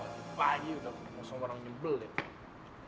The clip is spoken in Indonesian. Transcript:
pagi pagi udah langsung orang nyebel deh